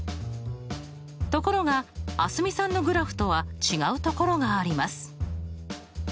ところが蒼澄さんのグラフとは違うところがあります。